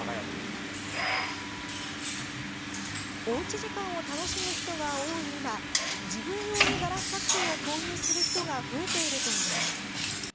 おうち時間を楽しむ人が多い今自分用にガラス作品を購入する人が増えているといいます。